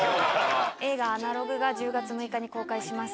映画「アナログ」が１０月６日に公開します。